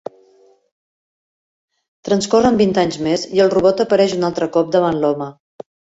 Transcorren vint anys més, i el robot apareix un altre cop davant l'home.